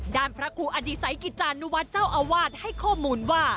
ด้านพระครูอดีไสกิจาณุวัตรเจ้าอวาทให้ข้อมูลว่า